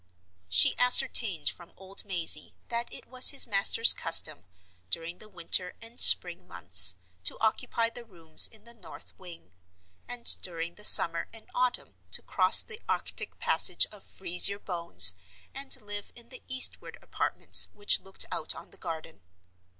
She ascertained from old Mazey that it was his master's custom, during the winter and spring months, to occupy the rooms in the north wing; and during the summer and autumn to cross the Arctic passage of "Freeze your Bones," and live in the eastward apartments which looked out on the garden.